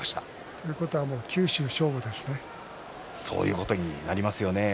ということはそういうことになりますね。